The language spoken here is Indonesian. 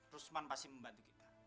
ruzman pasti membantu kita